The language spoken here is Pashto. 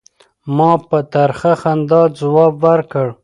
ما په ترخه خندا ځواب ورکړ.